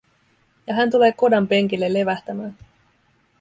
Ja hän tulee kodan penkille levähtämään.